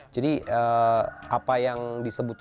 jadi apa yang disebutkan